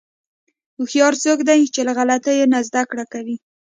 هوښیار څوک دی چې له غلطیو نه زدهکړه کوي.